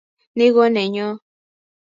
Ni konenyo